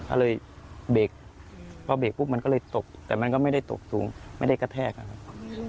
ก็เลยเบรกพอเบรกปุ๊บมันก็เลยตกแต่มันก็ไม่ได้ตกสูงไม่ได้กระแทกนะครับ